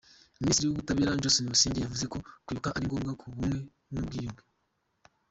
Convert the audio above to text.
Minisitiri w’ubutabera Johnston Busingye yavuze ko kwibuka ari ngombwa ku bumwe n’ ubwiyunge.